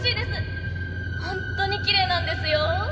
本当にきれいなんですよ。